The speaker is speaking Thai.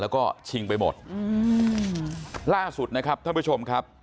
แล้วก็ชิงไปหมดอืมล่าสุดนะครับท่านผู้ชมครับ